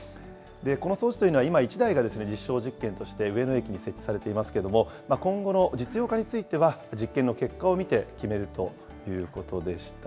この装置というのは今１台が実証実験として上野駅に設置されていますけれども、今後の実用化については、実験の結果を見て決めるということでした。